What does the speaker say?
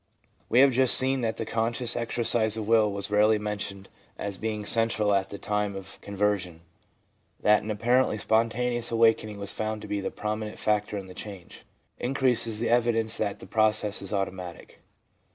We have just seen that the conscious exercise of will was rarely mentioned as being central at the time of 101 io2 THE PSYCHOLOGY OF RELIGION conversion. That an apparently spontaneous awaken ing was found to be the prominent factor in the change, increases the evidence that the process is automatic.